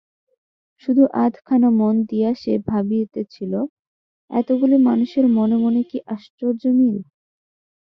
শুধু আধখানা মন দিয়া সে ভাবিড়েছিল, এতগুলি মানুষের মনে মনে কী আশ্চর্য মিল।